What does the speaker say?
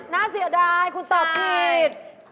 น่าเสียดายคุณตอบผิด